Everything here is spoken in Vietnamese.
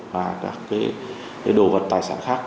và các cái đồ vật tài sản khác